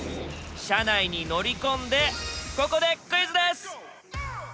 車内に乗り込んでここでクイズです！